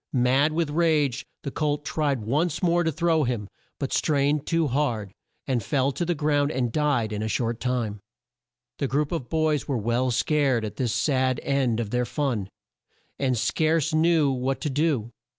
Mad with rage the colt tried once more to throw him, but strained too hard, and fell to the ground and died in a short time. The group of boys were well scared at this sad end of their fun, and scarce knew what to do.